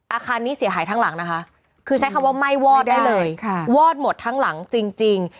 อาคารนี้เสียหายทั้งหลังนะคะคือใช้คำว่าไหม้วอดได้เลยวอดหมดทั้งหลังจริง